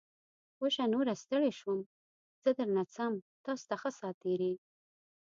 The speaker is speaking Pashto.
وشه. نوره ستړی شوم. زه درنه څم. تاسو ته ښه ساعتېری!